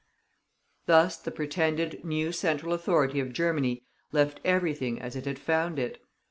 Thus the pretended new central authority of Germany left everything as it had found it.